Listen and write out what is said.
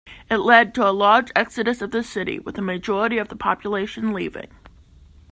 It led to a large exodus of the city, with a majority of the population leaving.